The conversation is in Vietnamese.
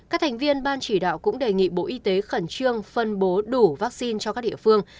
các thành viên ban chỉ đạo cũng đề nghị bộ y tế khẩn trương phân bố đủ vaccine cho các địa phương